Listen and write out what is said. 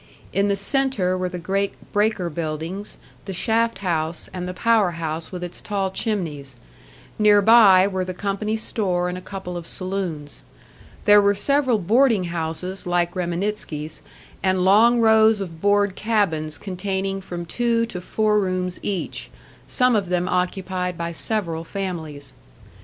In the centre were the great breaker buildings, the shaft house, and the power house with its tall chimneys; nearby were the company store and a couple of saloons. There were several boarding houses like Reminitsky's, and long rows of board cabins containing from two to four rooms each, some of them occupied by several families.